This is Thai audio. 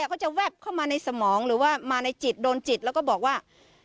เขาจะแวบเข้ามาในสมองหรือว่ามาในจิตโดนจิตแล้วก็บอกว่า